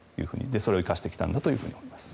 それを生かしてきたんだと思います。